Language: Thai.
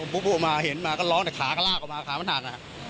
ปุ๊บปุ๊บออกมาเห็นมาก็ร้องแต่ขาก็ลากออกมาขามันหาดอ่ะ